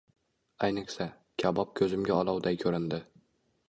Ayniqsa, kabob ko‘zimga olovday ko‘rindi.